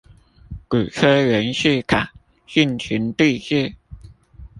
鼓吹袁世凱進行帝制